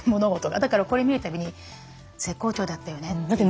だからこれ見るたびに絶好調だったよねっていう。